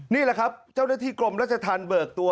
นี่แหละครับเจ้าหน้าที่กรมราชธรรมเบิกตัว